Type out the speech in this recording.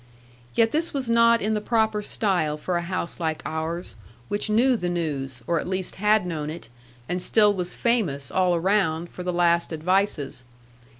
Yet this was not in the proper style for a house like ours, which knew the news, or at least had known it; and still was famous, all around, for the last advices.